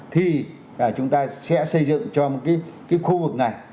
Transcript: thì chúng ta sẽ xây dựng cho một cái khu vực này